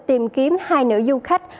tìm kiếm hai nữ du khách